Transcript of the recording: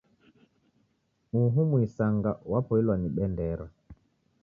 Uhu muisanga wapoilwa ni bendera.